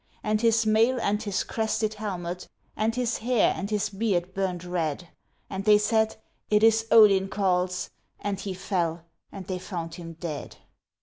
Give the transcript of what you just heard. And his mail and his crested helmet, and his hair, and his beard burned red; And they said, "It is Odin calls;" and he fell, and they found him dead.